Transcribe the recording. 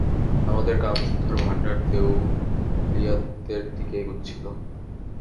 আমাদের কামসুধার ভাণ্ডার দেউলিয়াত্বের দিকে এগুচ্ছিল।